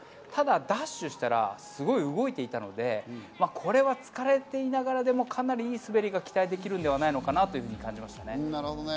ただ、ダッシュしたらすごい動いていたので、これは疲れていながらでも、かなりいい滑りが期待できるんではないのかなと感じました。